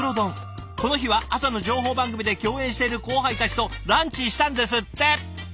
この日は朝の情報番組で共演している後輩たちとランチしたんですって！